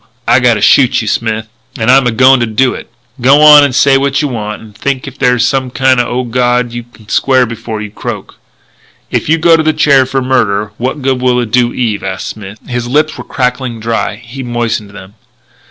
I gotta shoot you, Smith. And I'm a going to do it. G'wan and say what you want ... if you think there's some kind o' god you can square before you croak." "If you go to the chair for murder, what good will it do Eve?" asked Smith. His lips were crackling dry; he moistened them.